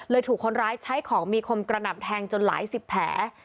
ถูกคนร้ายใช้ของมีคมกระหน่ำแทงจนหลายสิบแผล